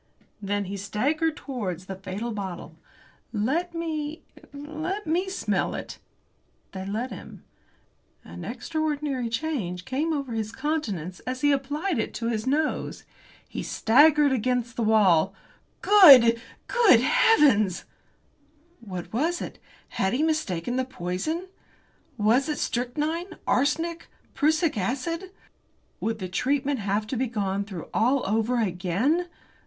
Then he staggered towards that fatal bottle. "Let me let me smell it." They let him. An extraordinary change came over his countenance as he applied it to his nose. He staggered against the wall. "Good good heavens!" What was it? Had he mistaken the poison? Was it strychnine, arsenic, prussic acid? Would the treatment have to be gone through all over again?